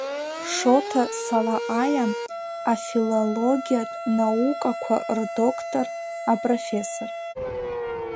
Шоҭа Салаҟаиа, афилологиатә наукақәа рдоқтор, апрофессор.